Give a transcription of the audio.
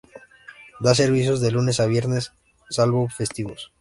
Da servicio de lunes a viernes, salvo festivos.